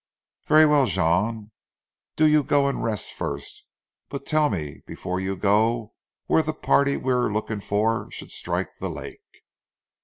"Very well, Jean, do you go and rest first; but tell me before you go where the party we are looking for should strike the lake."